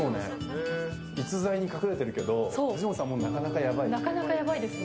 逸材に隠れているけど藤本さんもなかなかやばい。